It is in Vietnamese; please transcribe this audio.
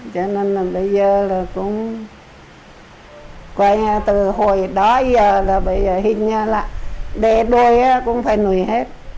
cho nên là bây giờ là cũng từ hồi đó giờ là bây giờ hình như là đe đôi cũng phải nuôi hết